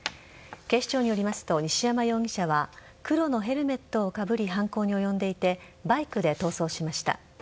警視庁によりますと西山容疑者は黒のヘルメットをかぶり犯行に及んでいてバイクで逃走しました。